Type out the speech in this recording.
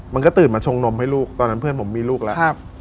มันก็ตื่นมาชงนมให้ลูกตอนนั้นเพื่อนผมมีลูกแล้ว